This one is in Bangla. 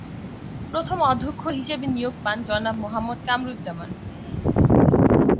প্রথম অধ্যক্ষ হিসেবে নিয়োগ পান জনাব মোহাম্মদকামরুজ্জামান।